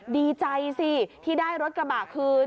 ดีใจสิที่ได้รถกระบะคืน